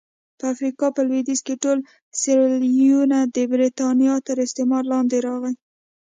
په افریقا په لوېدیځ کې ټول سیریلیون د برېټانیا تر استعمار لاندې راغی.